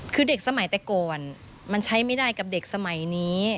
คือเด็กสมัยแต่ก่อนมันใช้ไม่ได้กับเด็กสมัยนี้